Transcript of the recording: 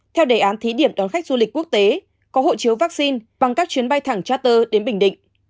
theo đề án thí điểm đón khách du lịch quốc tế có hộ chiếu vaccine bằng các chuyến bay thẳng tra đến bình định